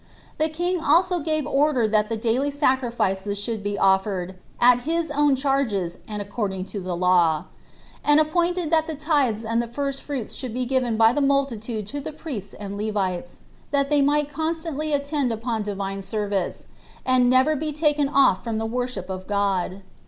The king also gave order that the daily sacrifices should be offered, at his own charges, and according to the law; and appointed that the tithes and the first fruits should be given by the multitude to the priests and Levites, that they might constantly attend upon Divine service, and never be taken off from the worship of God.